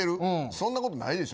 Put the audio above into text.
そんなことないでしょ。